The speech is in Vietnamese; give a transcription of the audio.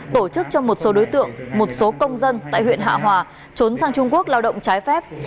tổ chức cho một số đối tượng một số công dân tại huyện hạ hòa trốn sang trung quốc lao động trái phép